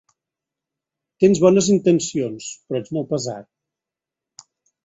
Tens bones intencions, però ets molt pesat.